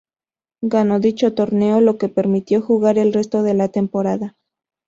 Ganó dicho torneo, lo que le permitió jugar el resto de la temporada.